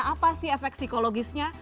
apa sih efek psikologisnya